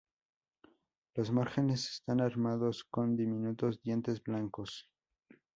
Los márgenes están armados con diminutos dientes blancos.